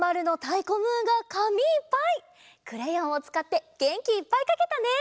クレヨンをつかってげんきいっぱいかけたね！